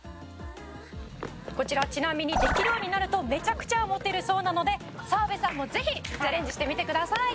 「こちらはちなみにできるようになるとめちゃくちゃモテるそうなので澤部さんもぜひチャレンジしてみてください」